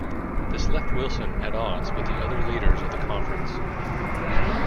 This left Wilson at odds with the other leaders of the conference.